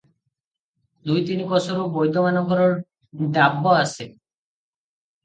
ଦୁଇ ତିନି କୋଶରୁ ବୈଦ୍ୟମାନଙ୍କର ଡାବ ଆସେ ।